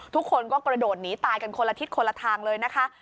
ทุกคนก็กระโดดหนีตายกันคนละทิศคนละทางเลยนะคะ